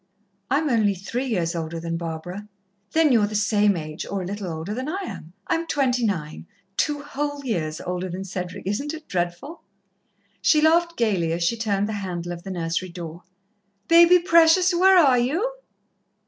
"I am only three years older than Barbara." "Then you're the same age or a little older than I am. I am twenty nine two whole years older than Cedric. Isn't it dreadful?" She laughed gaily as she turned the handle of the nursery door. "Baby, precious, where are you?"